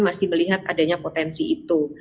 masih melihat adanya potensi itu